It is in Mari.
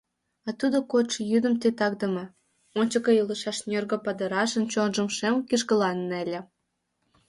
А тудо кодшо йӱдым титакдыме, ончыко илышаш нӧргӧ падырашын чонжым шем кишкыла неле.